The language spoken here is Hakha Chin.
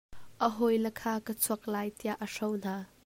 A hawile kha ka chuak lai tiah a hro hna.